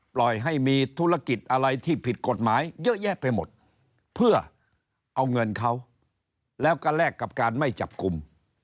ปล่อยให้มีธุรกิจอะไรที่ผิดกฎหมายเยอะแยะไปหมดเพื่อเอาเงินเขาแล้วก็แลกกับการไม่จับกลุ่ม